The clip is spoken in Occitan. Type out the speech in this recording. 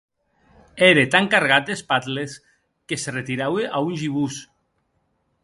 Ère tan cargat d’espatles, que se retiraue a un gibós.